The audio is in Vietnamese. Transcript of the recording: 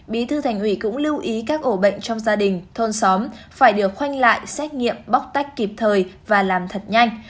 bí thư thành ủy cũng lưu ý các ổ bệnh trong gia đình thôn xóm phải được khoanh lại xét nghiệm bóc tách kịp thời và làm thật nhanh